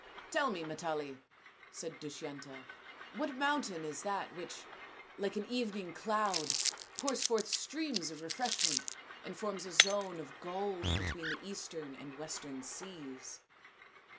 "Tell me, Matali," said Dushyanta, "what mountain is that which, like an evening cloud, pours forth streams of refreshment and forms a zone of gold between the eastern and the western seas